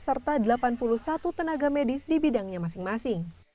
serta delapan puluh satu tenaga medis di bidangnya masing masing